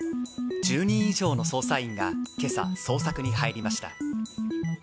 １０人以上の捜査員が今朝捜索に入りました。